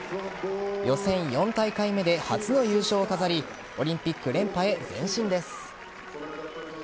予選４大会目で初の優勝を飾りオリンピック連覇へ前進です。